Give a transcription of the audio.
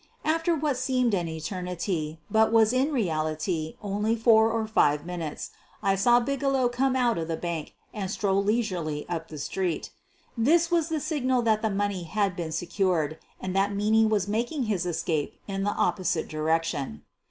After what seemed an eternity, but was in reality only four or five minutes, I saw Bigelow come out of the bank and stroll leisurely up the street. This was the signal that the money had been secured and that Meaney was making his escape in the opposite direction.